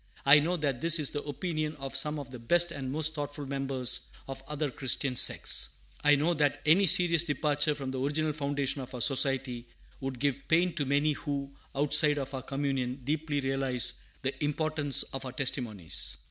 I know that this is the opinion of some of the best and most thoughtful members of other Christian sects. I know that any serious departure from the original foundation of our Society would give pain to many who, outside of our communion, deeply realize the importance of our testimonies.